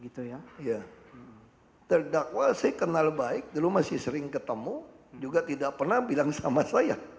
terdakwa saya kenal baik dulu masih sering ketemu juga tidak pernah bilang sama saya